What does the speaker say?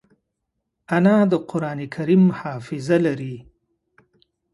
انا د قرانکریم حافظه لري